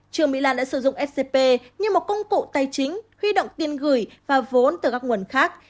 trương mỹ lan đã sử dụng scp như một công cụ tài chính huy động tiền gửi và vốn từ các nguồn khác